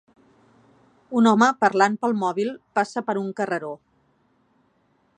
Un home parlant pel mòbil passa per un carreró.